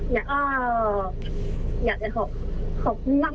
อยากจะขอบคุณมากค่ะ